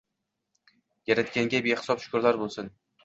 Yaratganga behisob shukrlar boʻlsin